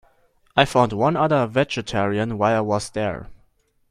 I found one other vegetarian while I was there.